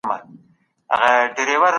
د لويي جرګې پر مهال څوک رخصت وي؟